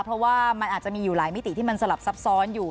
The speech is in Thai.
เพราะว่ามันอาจจะมีอยู่หลายมิติที่มันสลับซับซ้อนอยู่